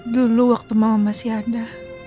dulu waktu mama masih ada